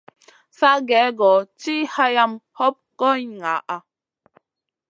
Sa gèh-goh tiʼi hayam hoɓ goy ŋaʼa.